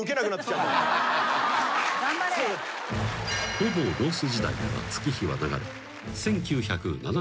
［ほぼロース時代から月日は流れ］